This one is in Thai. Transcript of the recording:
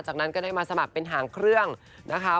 จากนั้นก็ได้มาสมัครเป็นหางเครื่องนะคะ